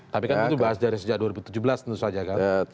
tapi kan itu bahas dari sejak dua ribu tujuh belas tentu saja kan